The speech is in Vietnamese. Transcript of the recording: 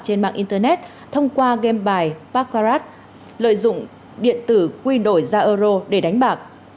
trên mạng internet thông qua game bài pacrat lợi dụng điện tử quy đổi ra euro để đánh bạc